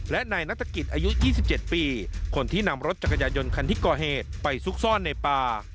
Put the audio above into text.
และนายนัฐกิจอายุ๒๗ปีคนที่นำรถจักรยายนคันที่ก่อเหตุไปซุกซ่อนในป่า